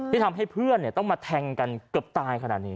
ที่ทำให้เพื่อนต้องมาแทงกันเกือบตายขนาดนี้